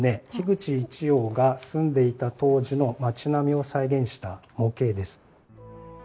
口一葉が住んでいた当時の街並みを再現した模型です。